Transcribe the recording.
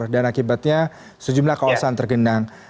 dan akibatnya sejumlah kawasan tergenang